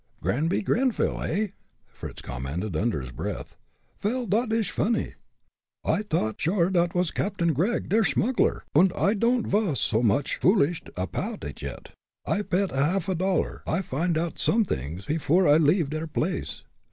"Granby Greyville, eh?" Fritz commented, under his breath. "Vel, dot ish funny. I thought sure dot was Captain Gregg, der smuggler, und I don'd vas so much foolished apoud it yet. I'll pet a half dollar I find oud somedings pefore I leave der blace."